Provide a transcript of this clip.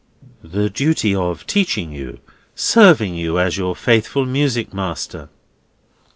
"The duty of teaching you, serving you as your faithful music master."